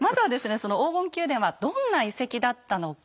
その黄金宮殿はどんな遺跡だったのか。